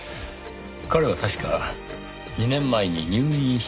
彼は確か２年前に入院していましたねぇ。